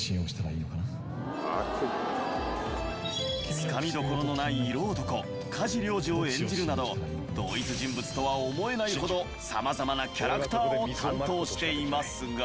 つかみどころのない色男加持リョウジを演じるなど同一人物とは思えないほどさまざまなキャラクターを担当していますが。